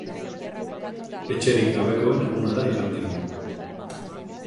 Etxerik gabekoen eguna da igande hau.